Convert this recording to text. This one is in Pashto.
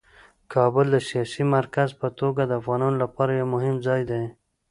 کابل د سیاسي مرکز په توګه د افغانانو لپاره یو مهم ځای دی.